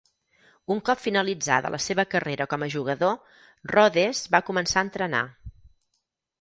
Un cop finalitzada la seva carrera com a jugador, Rhodes va començar a entrenar.